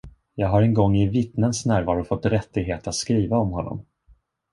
Jag har en gång i vittnens närvaro fått rättighet att skriva om honom.